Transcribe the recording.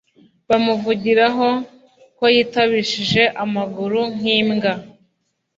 bamuvugiraho ko y'itabishije amaguru nk'imbwa